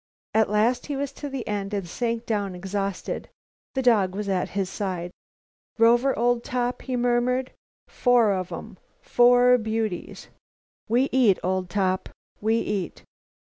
At last he was to the end and sank down exhausted. The dog was at his side. "Rover, old top," he murmured, "four of em; four beauties! We eat, old top! We eat!"